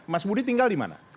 mas budi tinggal di mana